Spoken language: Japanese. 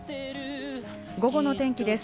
午後の天気です。